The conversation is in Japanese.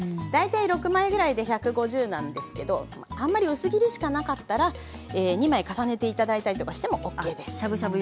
６枚ぐらい１５０ｇなんですけれどあまり薄切りしかなかったら２枚重ねていただいてもＯＫです。